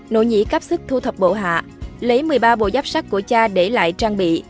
nỗ nhĩ cáp sức thu thập bộ hạ lấy một mươi ba bộ giáp sát của cha để lại trang bị